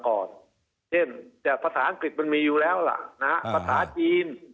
เช่นแต่ภาษาอังกฤษมันมีอยู่แล้วล่ะนะฮะภาษาจีน